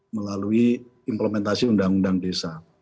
melalui implementasi undang undang desa